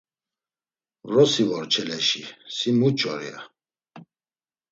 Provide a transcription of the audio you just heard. “Vrosi vor Çeleşi, si muç̌or?” ya.